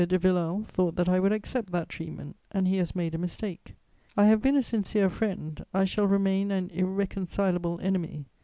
de Villèle thought that I would accept that treatment, and he has made a mistake. I have been a sincere friend, I shall remain an irreconcilable enemy.